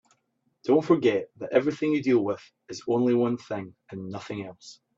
Don't forget that everything you deal with is only one thing and nothing else.